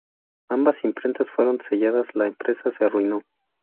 Ambas imprentas fueron selladas; la empresa se arruinó.